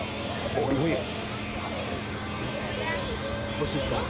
おいしいっすか？